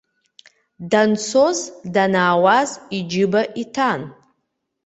Данцоз, данаауаз иџьыба иҭан.